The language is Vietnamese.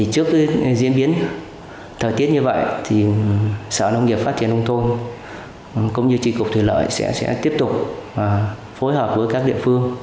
trước diễn biến thời tiết như vậy sở nông nghiệp phát triển nông thôn cũng như tri cục thủy lợi sẽ tiếp tục phối hợp với các địa phương